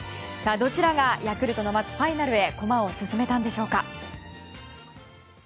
どちらがヤクルトの待つファイナルへ駒を進めたんでしょうか。